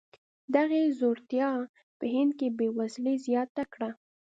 دغې ځوړتیا په هند کې بېوزلي زیاته کړه.